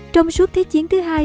trong suốt thế chiến thứ hai